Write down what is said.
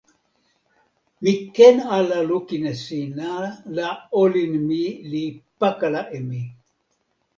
mi ken ala lukin e sina la olin mi li pakala e mi.